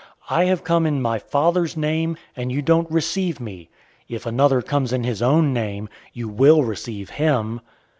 005:043 I have come in my Father's name, and you don't receive me. If another comes in his own name, you will receive him.